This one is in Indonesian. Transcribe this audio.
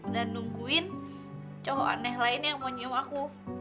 dan nungguin cowok aneh lain yang mau nyium aku